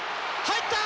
入った！